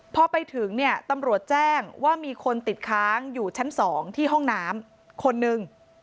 พอไปถึงเนี่ยตำรวจแจ้งว่ามีคนติดค้างอยู่ชั้น๒ที่ห้องน้ำคนนึง